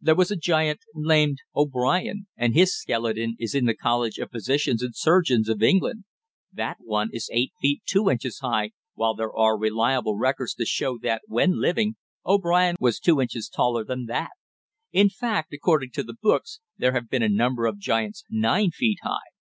There was a giant named O'Brien, and his skeleton is in the College of Physicians and Surgeons of England that one is eight feet two inches high, while there are reliable records to show that, when living, O'Brien was two inches taller than that. In fact, according to the books, there have been a number of giants nine feet high."